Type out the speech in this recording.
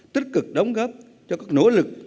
tích cực đóng góp cho các nỗ lực